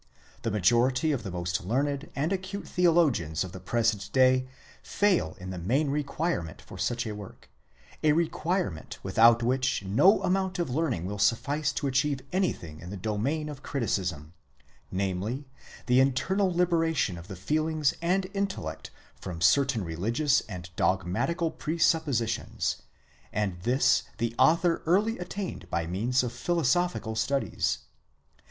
The majority of the most learned and acute theologians of the present day fail in the main requirement for such a work, a requirement without which no amount of learning will suffice to achieve anything in the domain of criticism—namely, the internal liberation of the feelings and intel lect from certain religious and dogmatical presuppositions; and this the author early attained by means of philosophical Studies.